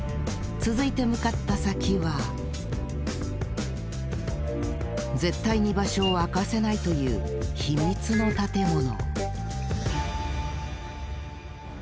続いて向かった先は絶対に場所を明かせないという秘密の建物。